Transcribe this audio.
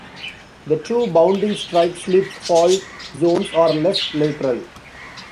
The two bounding strike slip fault zones are left lateral.